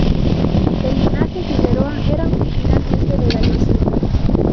El linaje Figueroa era originalmente de Galicia.